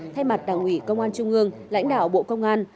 thay mặt đảng ủy công an trung ương lãnh đạo bộ công an